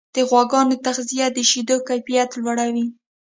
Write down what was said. د غواګانو تغذیه د شیدو کیفیت لوړوي.